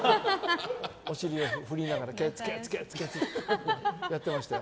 お尻を振りながらケツケツケツケツってやってましたよ。